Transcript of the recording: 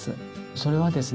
それはですね